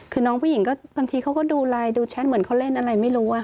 คือน้องผู้หญิงก็บางทีเขาก็ดูไลน์ดูแชทเหมือนเขาเล่นอะไรไม่รู้